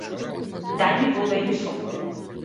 Дај ми вода или сок.